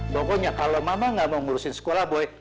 pokoknya kalau mama gak mau ngurusin sekolah boy